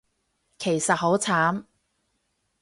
其實好慘